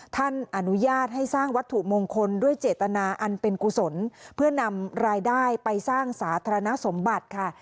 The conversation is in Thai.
ท่านอนุญาตให้สร้างวัตถุมงคลด้วยเจตนาอันเป็นกุศลเพื่อนำรายได้ไปสร้างสาธารณสมบัติค่ะ